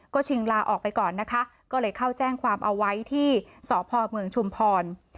ก็ชิงลาออกไปก่อนนะคะก็เลยเข้าแจ้งความเอาไว้ที่สพเมืองชุมพร